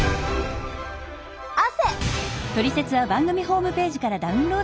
「汗」！